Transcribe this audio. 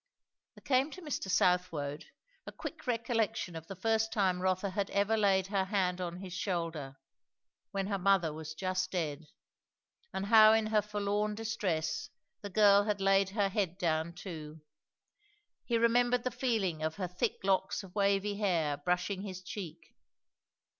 There came to Mr. Southwode a quick recollection of the first time Rotha had ever laid her hand on his shoulder, when her mother was just dead; and how in her forlorn distress the girl had laid her head down too. He remembered the feeling of her thick locks of wavy hair brushing his cheek.